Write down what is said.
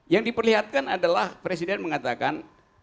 yang diperlihatkan adalah presiden mengatakan